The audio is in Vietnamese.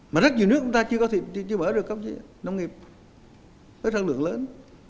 mà rất nhiều nước chúng ta chưa mở được các nông nghiệp các sản lượng lớn